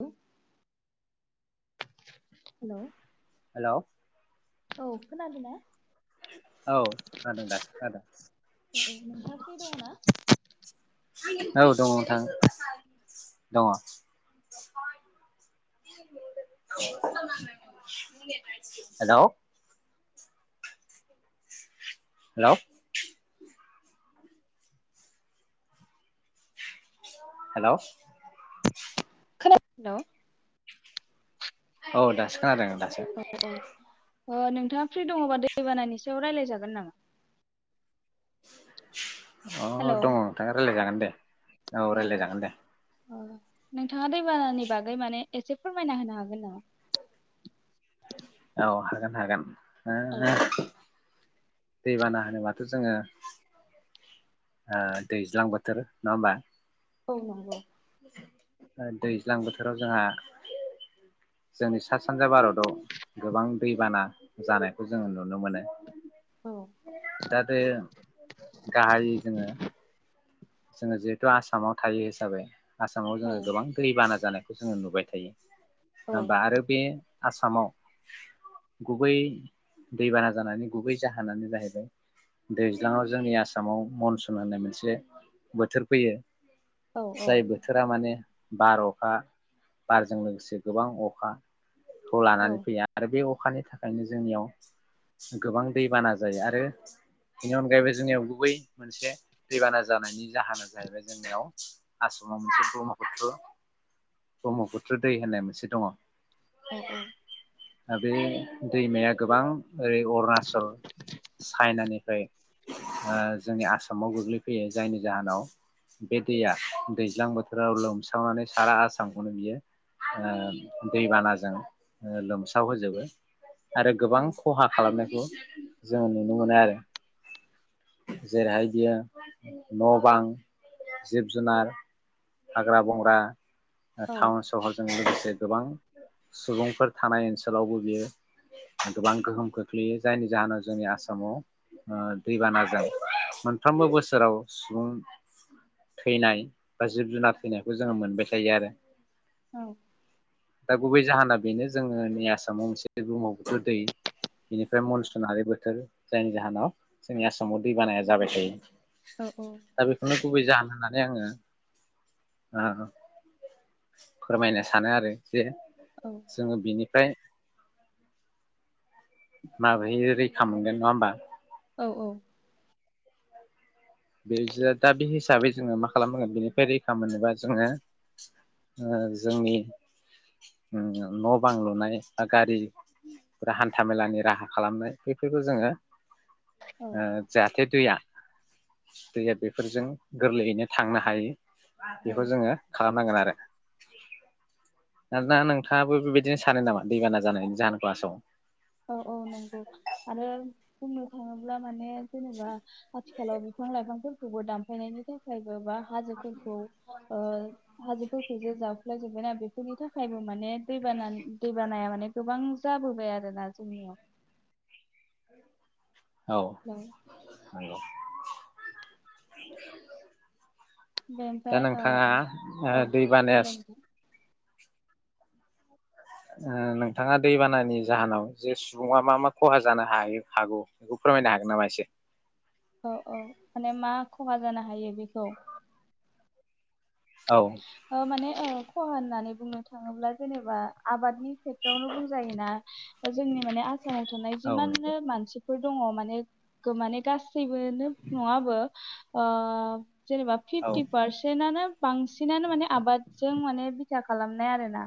औ हेल' हेल' औ खोनादो ना औ खानादों दासो खोनादों औ औ नोंथाङा फ्रि दङ ना? औ दङ नोंथां दङ हेल' हेल' हेल' खोनादो नों औ दासखोनादों लासै अ नोंथाङा फ्रि दङबा दैबानानि सायाव रायलाय जागोन नामा अ हेलौ दङ नोंथाङा रायलायजागोन दे औ रायलायजागोन दे अ नोंथाङा दैबानानि बागै माने एसे फोरमायना होनो हागोन नामा औ हागोन हागोन औ औ ह दैबाना होनोबाथ' जोङो दैज्लां बोथोर नङा होमबा। औ नंगौ। दैज्लां बोथोराव जोंहा जोंनि सा सानजा भारताव गोबां दैबाना जानायखौ जोङो नुनो मोनो। औ दा बे गाहायै जोङो जोङो जिहेथु आसामाव थायो हिसाबै आसामाव औ जोङो गोबां दै बाना जानाय बेखौ जोङो नुबाय थायो। औ होनबा आरो बे आसामाव गुबै दैबाना जानानै गुबै जाहोनानो जाहैबाय दैज्लाङाव जोंनि आसामाव मनसुन होननाय मोनसे बोथोर फैयो। औ जाय बोथोरा माने बार अखा बारजों लोगोसे गोबां अखा खौ औ लानानै फैया आरो बे अखानि थाखायनो जोंनियाव गोबां दैबाना जायो आरो बेनि अनगायैबो जोंनियाव गुबै मोनसे दैबाना जानायनि जाहोना जाहैबाय जोंनियाव आसामाव मोनसे ब्रह्मपुत्र ब्रह्मपुत्र दै होननाय मोनसे दङ। औ दा बे दैमाया गोबां ओरै अरुनााचल चाइनानिफ्राय जोंनि ओ आसामाव गोग्लैफैयो जायनि जाहोनाव बे दैया दैज्लां बोथोराव लोमस्रावनानै सारा आसामखौनो बियो ओ दैबानाजों ओ लोमस्राव होजोबो। आरो औ गोबां खहा खालामनायखौ जोङो नुनो मोनो आरो जेरैहाय बियो न' बां जिब जुनार हाग्रा बंग्रा औ टाउन सहरजों लोगोसे गोबां सुबुंफोर थानाय ओनसोलावबो बियो गोबां गोहोम खोख्लैयो जायनि जाहोनाव जोंनि आसामाव ओ दैबाना जायो मोनफ्रोमबो बोसोराव सुबुं थैनाय बा जिब जुनार थैनायखौ जोङो मोनबाय थायो आरो। औ। दा गुबै जाहोना बेनो जोंनि नै आसामाव मोनसे बुहुमाव बोथोर दै बेनिफ्राय मनसुनारि बोथोर जायनि जाहोनाव जोंनि आसामाव दै बानाया जाबाय थायो। औ दा बेखौनो गुबै जाहोन होनना नै ओङो बिनिफ्राय आ फोरमायनो सानो आरो जे जोङो बिनिफ्राय माबोरै रैखा मोनगोन नङा होमबा औ औ। बेजोद दा बे हिसाबै जोङो मा खालामनांगोन बेनिफ्राय रैखा मोनोबा जोङो ओ जोंनि ओ न' बां लुनाय बा गारिफोरा हान्था मेलानि राहा खालामनाय बेफोरखौ जोङो औ ओ जाहाथे दैया दैया बेफोरजों गोरलैयैनो थांनो हायो। औ बेखौ जोङो खालामनांगोन आरो। आरोना नोंथाङाबो बेबायदिनो सानो नामा दैबाना जानायनि जाहोनखौ आसामाव? औ औ नंगौ आरो बुंनो थाङोब्ला माने जेनेबा आथिखालाव बिफां लाइफांफोर खौबो दानफायनायनि थाखाय गोबां हाजोफोरखौ ओ हाजोफोरखौ [unintelligible] सुलाय जोब्बायना बेफोरनि थाखायबो माने दैबाना दैबानाया माने गोबां जाबोबाय आरो ना। जोंनियाव [inaudible] औ। हेल' [inaudible] दा बेनिफ्राय ओ नोंथाङा ओ औ दैबानाया बुंलाय नोंथां। ओ नोंथाङा दैबानानि जाहोनाव जे सुबुङा मा मा खहा जानो हायो हागौ बेखौ फोरमायनो हागोन नामा एसे? औ औ माने मा खहा जानो हायो बेखौ? औ ओ माने ओ खहा होन्नानै बुंनो थाङोब्ला जेनेबा आबादनि खेथ्रआवनो बुंजायोना? ओ जोंनि माने सामाव थानाय औ नंगौ जिमाननो मानसि फोर दङ माने गो माने गास सैबोनो ओ जेनेबा औ फिफटि पारसेनानो बांसि सिनानो माने आबादजों माने बिथा खालामनाय आरो ना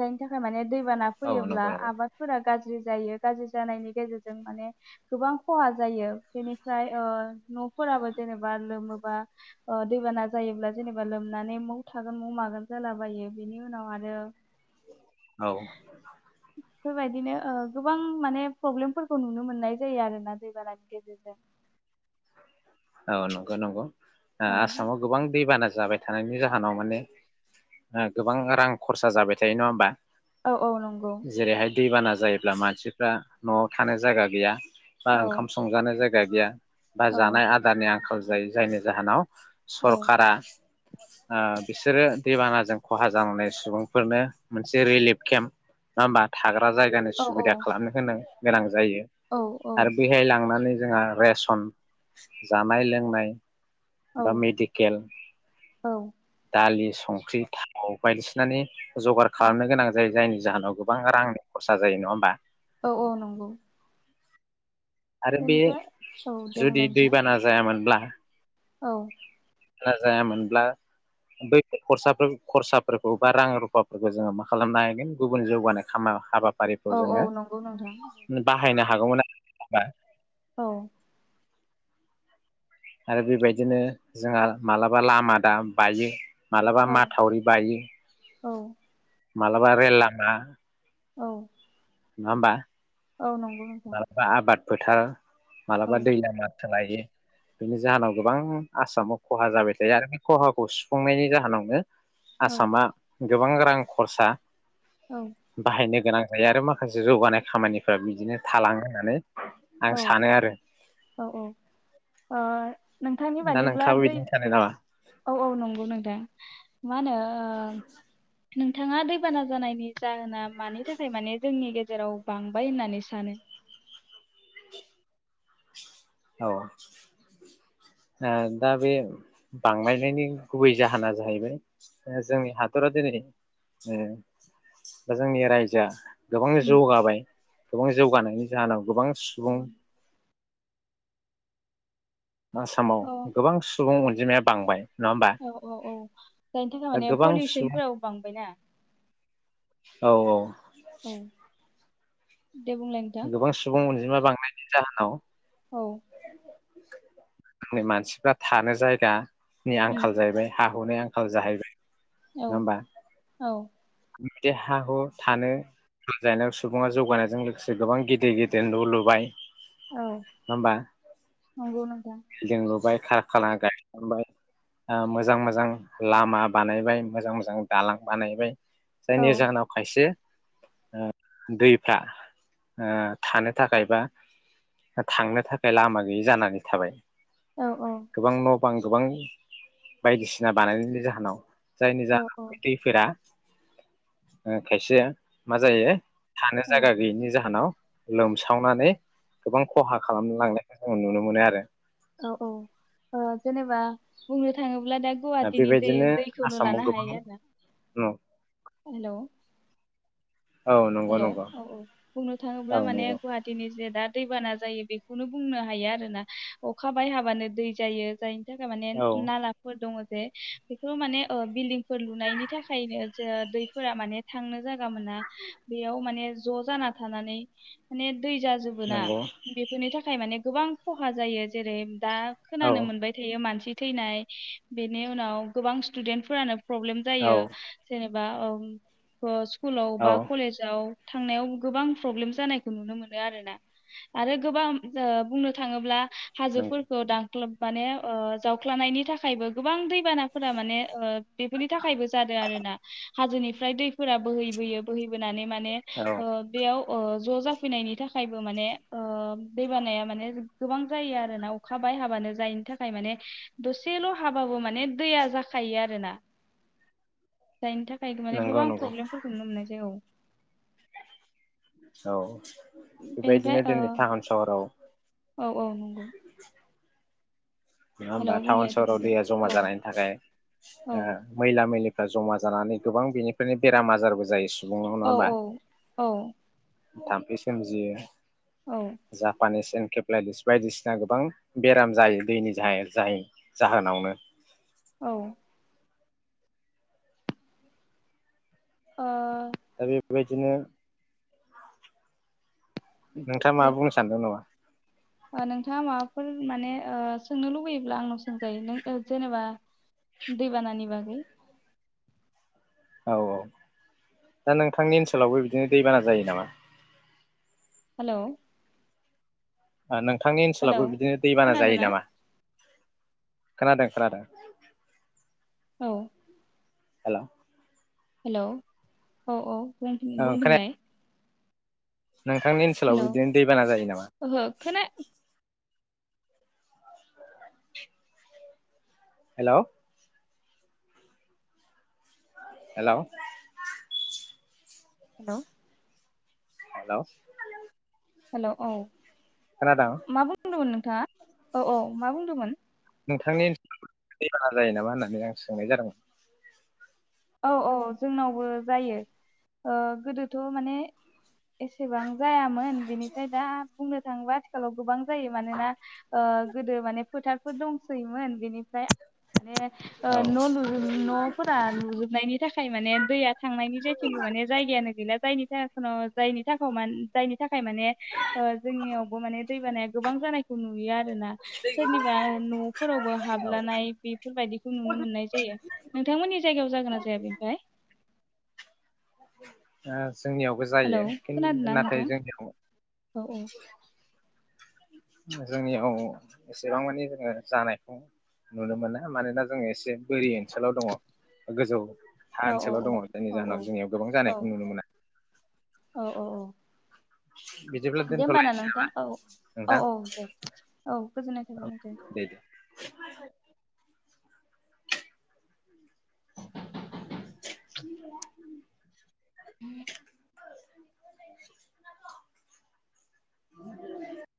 जायनि थाखाय माने दैबाना औ फैयोब्ला नंगौ नंगौ आबादफोरा गाजि जि जायो गारजि जानायनि गेजेरजों माने गोबां खहा जायो बेनिफ्राय ओ न'फोराबो जेनेबा लोमोबा ओ दैबाना जायोब्ला जेनेबा लोम नानै मौ थागोन मौ मागोन जालाबायो बेनि उनाव आरो औ। फोरबायदिनो ओ गोबां माने प्रब्लेमफोरखौ नुनो मोन्नाय जायो आरोना दैबानानि गेजेरजों। औ नंगौ नंगौ। ओ औ आसामाव गोबां दैबाना जाबाय थानायनि जाहोनाव माने ओ गोबां रां खरसा जाबाय थायो नङा होमबा? औ औ नंगौ। जेरैहाय दैबाना जायोब्ला मानसिफ्रा न'आव थानो जायगा गैया। बा औ ओंखाम संजानो जाय गा गैया। बा औ जानाय आ आंखाल जायो जायनि जाहोनाव औ सरकारा ओ बिसोरो दैबानाजों खहा जनाय सुबुंफोरनो मोनसे रिलिफ केम्प नङा होमबा था ग्रा जायगानि औ सुबिदा खालामनो होनां गोनां जायो औ आरो बेहाय लांनानै जोंहा रेसन जानाय लोंनाय। औ बा मेडिकेल औ दालि संख्रि थाव बायदिसिनानि जगार खालामनो गोनां जायो जायनि जाहोनाव गोबां रांनि खरसा जायो नङा होमबा। औ औ नंगौ। आरो बे बेनिफ्राय औ दे जुदि बुंलाय नोंथां दैबाना जायामोनब्ला औ। नाजायामोनब्ला बै खरसा खरसाफोरखौ बा रां रुफाफोरखौ जोङो मा खालामनो हागोन गुबुन जौगानाय हाबा आरि औ औ जोङो नंगौ नोंथां बाहायनो हागौमोन [unintelligible] औ। आरो बेबायदिनो जोंहा मालाबा लामा दा बायो। माब्लाबा औ माथावरि बायो। औ मालाबा आरो लामा औ। नङा ओमबा? औ नंगौ नोंथां। फोथार औ मालाबा दै लामा। सोलायो बिनि जाहोनाव गोबां आसामाव खहा जाबाय थायो आरो बे खहाखौ सुफुंनायनि जाहोनावनो औ आसामा गोबां रां खरसा बाहायनो गोनां ओमफ्राय आरो मा माखासे जौगानाय खामानिफ्रा बिदिनो थालाङो होननानै औ आं सानो आरो औ औ ओ नोंथांनि दा बादिब्ला नोंथाङाबो दै बिदिनो सानो नामा औ औ नंगौ नोंथां। मा होनो ओ। नोंथाङा दैबाना जानायनि जाहोना। मानि थाखाय माने जोंनि। जेराव बांबाय होननानै सानो। औ ओ दा बे बांलायनायनि गुबै जाहोना जाहैबाय ओ जोंनि हादरा दिनै ओ जोंनि रायजोआ। गोबां जौगाबाय। गोबां जौगानायनि जाहोनाव गोबां सुबुं। आसामाव औ गोबां सुबुं अन जिमाया बांबाय। नङा होमबा औ औ औ जायनि थाखाय दा माने गोबां सुबुं पलिउसनफोराबो बांबायना। औ औ। औ। दे बुंलाय नोंथां गोबां सुबुं अनजिमा। बांनायनि जाहोनाव। औ। जोंनि मानसिफ्रा थानो जायगा। नि उम आंखाल जाहैबाय हा। हुनि आंखाल जाहैबाय। औ नङा होमबा औ। बिदि हा हु थानो [inaudible] सुबुङा जौगानायजों लोगोसे गोबां गिदिर गेदेर न' लुबाय औ नङा होमबा। नंगौ नोंथां। बिल्डिं लुबाय खारखाना गायसनबाय ओ मोजां मोजां लामा बानायबाय मोजां मोजां दालां बानायबाय। औ जायनि जाहोनाव खायसे। ओ दैफ्रा ओ थानो थाखाय बा थांनो था खाय लामा गैयि जानानै थाबाय। औ औ। गोबां न' बां गोबां बायदिसिना बानायनायनि जाहोनाव। जायनि जाहोनाव औ बै दैफोरा। ओ खायसेया मा जायो। थानो औ जायगा गैयिनि जाहोनाव। लोमसावनानै गोबां खहा खालामलांनो। एखमबा नुनो मोननाय आरो। औ औ ओ जेनेबा बुंनो थाङो ब्ला दा गुवाहाटिनि दै बेबायदिनो दैखौनो आसामाव लानो गोबां हायो आरोना हेल'। औ नंगौ हेल' औ नंगौ औ बुंनो औ थाङोब्ला माने नंगौ गुवाहाटिनि जे दा दैबाना जायो बेखौनो बुंनो हायो आरोना अखा बाय हाबानो दै जायो जाय नि थाखाय माने औ नालाफोर दङो जे बेखौ माने ओ बिल्डिंफोर लुनायनि थाखायनो जो दैफोरा माने थांनो जायगा मोना बेयाव माने ज' जाना थानानै माने दै जाजोबोना नंगौ बेफोरनि थाखाय माने गोबां खहा जायो जेरै दा औ खोनानो मोनबाय थायो मानसि थैनाय बेनि उनाव गोबां स्टुडेन्टफोरानो प्रब्लेम औ जायो जेने बा औ ओ स्कु लाव बा औ याव थांनायाव गोबां प्रब्लेम जानायखौ नुनो मोनो आरोना आरो गोबां ओ‌ बुंनो थाङोब्ला नंगौ हाजोफोरखौ दां ख्लोब माने ओ जावख्लनि थाखायबो गोबां दैबानाफोरा माने बेफोरनि थाखायबो जादों आरोना हाजोनिफ्राय दैफोरा बोहैबोयो बोहैबोनानै माने औ ओ बेयाव ओ ज' जाफैनायनि थाखायबो माने ओ दैबानाया माने गोबां जायो आरोना अखा बाय हाबानो जायनि थाखाय माने दसेल' हाबाबो माने दैया जाखायो आरोना। जायनि थाखाय माने नंगौ गोबां नंगौ प्रब्लेम फोरफोरखौ नु मोननाय जायो। औ औ बेनिफ्राय बेबायदिनो दिनै टाउन सहराव औ औ नंगौ। नङा हेलौ होमबा टाउन बुंलाय दे सहराव नोंथां दैया जमा औ जानायनि थाखाय औ ओ मैला मैलि जमा जानानै गोबां बेनिफ्रायनो बेराम आजारबो जायो। सुबुंनाव नङा औ होमबा? औ औ थाम्फै सोमजियो। औ जापानिस पेप्लाइटिस बायदिसिना गोबां बेराम जायो दैनि जाय जाय जाहोनावनो औ ओ दा बेबायदिनो नोंथाङा बे माबा बुंनो सानदों नामा? नोंथाङा माबाफोर माने ओ सोंनो लुबैयोब्ला आंनाव सोंजायो नों जेनेबा दैबानानि बागै औ औ दा नोंथांनि ओनसोलावबो बिदिनो दैबाना जायो नामा? हेल'। नोंथांनि ओनसोलावबो बिदिनो दैबाना जायो खोनादोंना नामा? खोनादों खोनादों। औ हेलौ हेलौ औ औ औ खोना बुंफिनलाय नोंथांनि ओनसोलाव हेलौ बिदिनो दैबाना जायो नामा? ओहो खोना hello hello hello hello hello औ मा बुंदोंमोन नों हो औ औ मा बुंदोंमोन? नोंथांनि [unintelligible] जायो नामा होननानै आं सोंनाय जादोंमोन औ औ जोंनावबो जायो गोदोथ' माने एसेबां जाया मोन बेनिफ्राय दा बुंनो थांबा आथिखालाव गोबां जायो मानोना गोदो माने फोथारफोर दंसैयोमोन बेनिफ्राय माने औ न' लु-न'फोरा लुजोब नि थाखाय माने दैया थांनायनि जेथिंबो माने जायगायानो गैला जायो। [unintelligible] जायनि थाखाव मान-जायनि थाखाय माने जोंनियावबो माने दैबानाया गोबां जानायखौ नुयो आरो ना सोरनिबा न'फोरावबो औ हाबलानाय बेफोरबायदिखौ नुनो मोननाय जायो नोंथांमोननि जायगायाव जागोना [unintelligible] [unintelligible] जोंनियावबो जायो हेलौ खोनादोंना नाथाय नोंथां जोंनियाव औ जोंनियाव एसेबां मानि जोङो जानायखौ नुनो मोना मानोना जोङो एसे बोरि ओनसोलाव दङ गोजौ हा औ ओनसोलाव दङ जायनि औ औ जाहोनाव जोंनियाव गोबां औ जानायखौ नुनो मोना औ औ औ बिदिब्ला दे होमबा ना दोनथ'लायनोसै नोंथां नामा औ औ नोंथां औ दे औ गोजोननाय थाबाय नोंथां दे [inaudible] [inaudible] [inaudible]